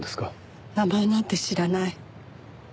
名前なんて知らない。